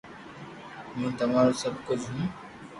ھون تمارو سب ڪجھ ھون